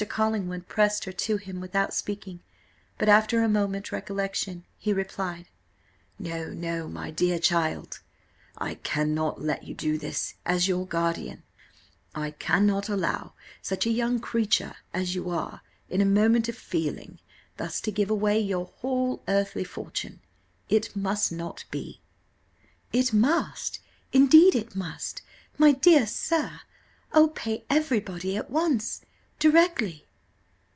Collingwood pressed her to him without speaking; but after a moment's recollection he replied: "No, no, my dear child, I cannot let you do this: as your guardian, I cannot allow such a young creature as you are, in a moment of feeling, thus to give away your whole earthly fortune it must not be." "It must, indeed it must, my dear sir. Oh, pay everybody at once directly."